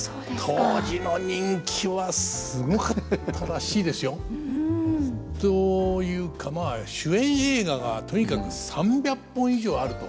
当時の人気はすごかったらしいですよ。というかまあ主演映画がとにかく３００本以上あると。